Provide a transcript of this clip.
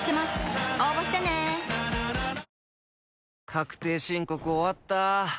確定申告終わった。